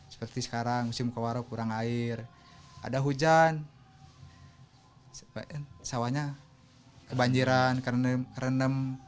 seperti sekarang musim kemarau kurang air ada hujan sawahnya kebanjiran renem